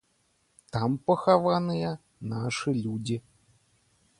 Там пахаваныя нашы людзі.